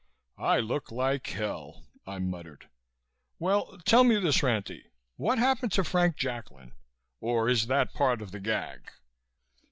"I look like hell!" I muttered. "Well, tell me this, Ranty. What happened to Frank Jacklin? Or is that part of the gag?"